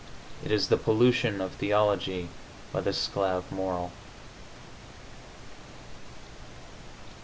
It is the pollution of theology by the sklavmoral.